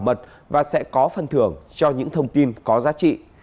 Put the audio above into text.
hãy báo mật và sẽ có phân thưởng cho những thông tin có giá trị